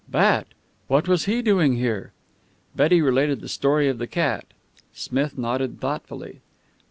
"Bat! What was he doing here?" Betty related the story of the cat. Smith nodded thoughtfully.